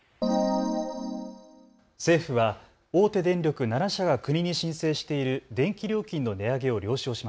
政府は大手電力７社が国に申請している電気料金の値上げを了承し